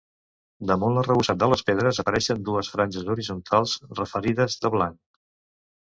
Damunt l’arrebossat de les pedres apareixen dues franges horitzontals referides de blanc.